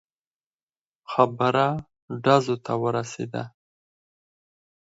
خبره ډزو ته ورسېده.